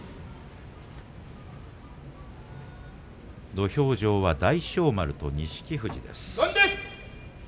土俵上は大翔丸と錦富士です。